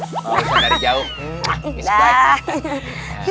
oh ibu dari jauh